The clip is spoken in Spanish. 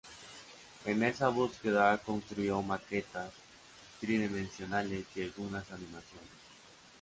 En esa búsqueda construyó maquetas tridimensionales y algunas animaciones.